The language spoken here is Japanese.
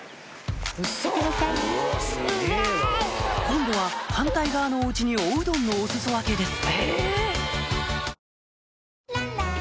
今度は反対側のお家におうどんのお裾分けです